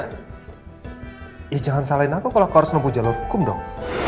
iya jangan salahin aku kalau aku harus nempuh jalur hukum dong